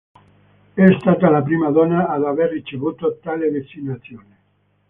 È stata la prima donna ad aver ricevuto tale designazione.